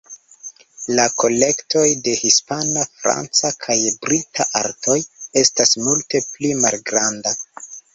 La kolektoj de hispana, franca kaj brita artoj estas multe pli malgranda.